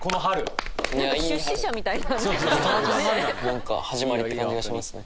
なんか始まりって感じがしますね。